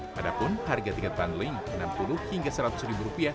padahal harga tiket bundling rp enam puluh hingga rp seratus